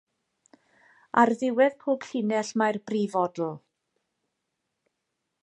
Ar ddiwedd pob llinell mae'r brifodl.